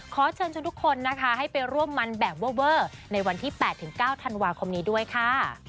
ขอเชิญชวนทุกคนนะคะให้ไปร่วมมันแบบเวอร์ในวันที่๘๙ธันวาคมนี้ด้วยค่ะ